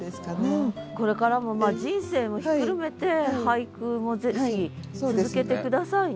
これからも人生もひっくるめて俳句もぜひ続けて下さいね。